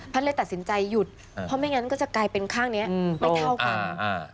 เลยตัดสินใจหยุดเพราะไม่งั้นก็จะกลายเป็นข้างนี้ไม่เท่ากัน